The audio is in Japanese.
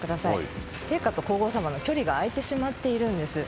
陛下と皇后さまの距離が空いてしまっているんです。